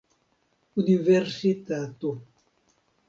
universitato